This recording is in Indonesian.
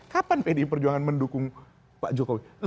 kapan pdi perjuangan mendukung pak jokowi